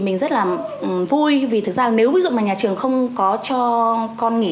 tất cả các trường thì mình rất là vui vì thật ra nếu ví dụ nhà trường không có cho con nghỉ